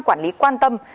quản lý quan tâm